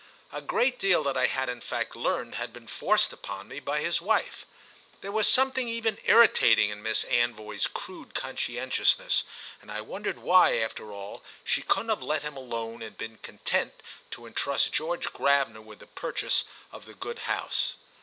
A great deal that I had in fact learned had been forced upon me by his wife. There was something even irritating in Miss Anvoy's crude conscientiousness, and I wondered why, after all, she couldn't have let him alone and been content to entrust George Gravener with the purchase of the good house.